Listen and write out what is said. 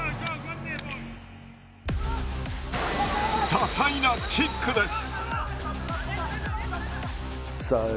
多彩なキックです。